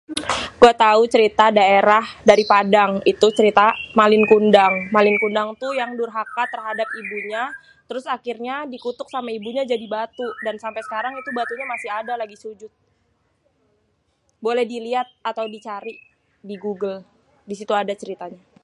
Gué tahu cerita daerah dari padang itu cerita Malin Kundang. Malin Kundang tuh yang durhaka terhadap ibunya, terus akhirnya dikutuk sama ibunya jadi batu, dan sampai sekarang itu batunya masih ada lagi sujud. Boleh diliat atau dicari digoogle disitu ada ceritanya.